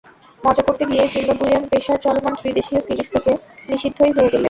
মজা করতে গিয়ে জিম্বাবুইয়ান পেসার চলমান ত্রিদেশীয় সিরিজ থেকে নিষিদ্ধই হয়ে গেলেন।